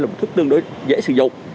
là một thuốc tương đối dễ sử dụng